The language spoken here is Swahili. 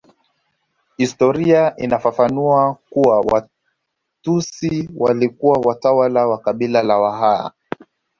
Historia inafafanua kuwa Watusi walikuwa watawala wa kabila la Waha